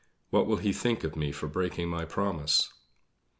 What will he think of me for breaking my promise!"